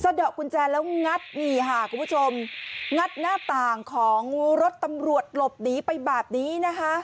ดอกกุญแจแล้วงัดนี่ค่ะคุณผู้ชมงัดหน้าต่างของรถตำรวจหลบหนีไปแบบนี้นะคะ